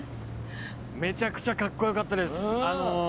めちゃくちゃかっこよかったです！